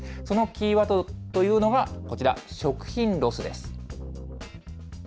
そのキーワードというのがこちら、食品ロスです。